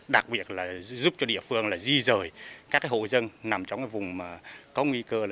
đặc biệt là giúp cho địa phương di rời các hộ dân nằm trong vùng có nguy cơ